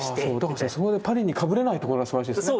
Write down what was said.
だからそこでパリにかぶれないところがすばらしいですね。